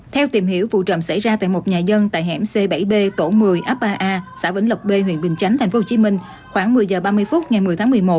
theo tìm hiểu vụ trầm xảy ra tại một nhà dân tại hẻm c bảy b tổ một mươi ấp ba a xã vĩnh lộc b huyện bình chánh tp hcm khoảng một mươi h ba mươi phút ngày một mươi tháng một mươi một